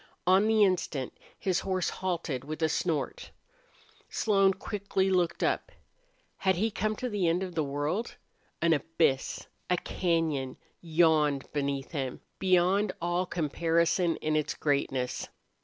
On the instant his horse halted with a snort. Slone quickly looked up. Had he come to the end of the world? An abyss, a cañon, yawned beneath him, beyond all comparison in its greatness.